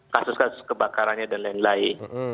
kasus kasus kebakarannya dan lain lain